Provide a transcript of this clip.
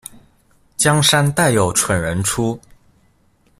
江山代有蠢人出